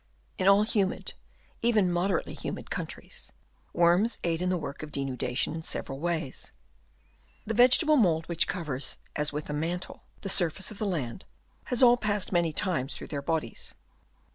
In all humid, even moderately humid, 238 DISINTEGKATION Chap. V. countries, worms aid in the work of denuda tion in several ways. The vegetable mould which covers, as with a mantle, the surface of the land, has all passed many times through their bodies.